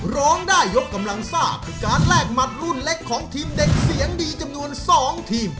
ร้องได้ยกกำลังซ่าคือการแลกหมัดรุ่นเล็กของทีมเด็กเสียงดีจำนวน๒ทีม